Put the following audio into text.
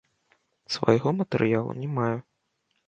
Свайго матэрыялу не маю.